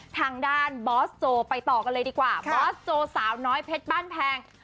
ทางด้านบอสโจไปต่อกันเลยดีกว่าบอสโจสาวน้อยเพชรบ้านแพง